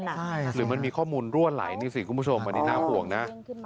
หรือมันมีข้อมูลรั่วไหลนี่สิคุณผู้ชมอันนี้น่าห่วงนะ